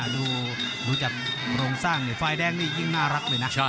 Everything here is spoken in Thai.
ดูจากโครงสร้างฝ่ายแดงนี่ยิ่งน่ารักเลยนะ